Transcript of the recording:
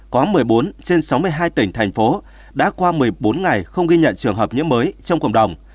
trong ngày bốn trên sáu mươi hai tỉnh thành phố đã qua một mươi bốn ngày không ghi nhận trường hợp nhiễm mới trong cộng đồng